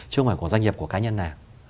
chứ không phải của doanh nghiệp của cá nhân nào